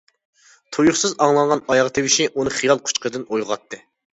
تۇيۇقسىز ئاڭلانغان ئاياغ تىۋىشى ئۇنى خىيال قۇچىقىدىن ئويغاتتى.